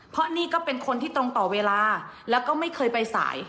เพราะนี่ก็เป็นคนที่ตรงต่อเวลาแล้วก็ไม่เคยไปสาย